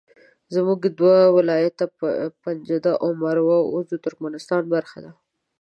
زموږ دوه ولایته پنجده او مروه اوس د ترکمنستان برخه ده